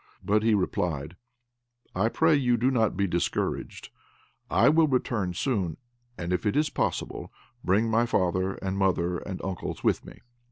But he replied, "I pray you not to be discouraged; I will return soon, and if it is possible bring my father and mother and uncles with me."